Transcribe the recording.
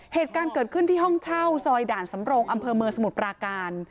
เหตุการณ์เกิดขึ้นที่ห้องเช่าซอยด่านสำรงอำเภอเมืองสมุทรปราการ